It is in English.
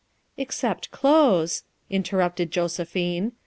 " Except clothes," interrupted Josephine.